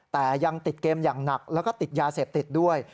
แต่ยังติดเกมอย่างหนักแล้วก็ติดยาเสพติดด้วย